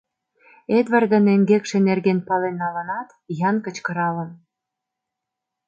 — Эдвардын эҥгекше нерген пален налынат, Ян кычкыралын.